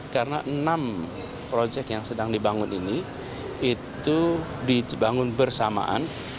karena enam proyek yang sedang dibangun ini itu dibangun bersamaan